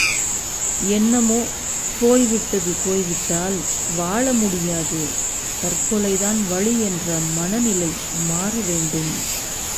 என்னமோ போய்விட்டது போய் விட்டால் வாழ முடியாது தற்கொலைதான் வழி என்ற மன நிலை மாறவேண்டும்.